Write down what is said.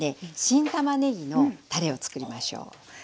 新たまねぎのたれを作りましょう。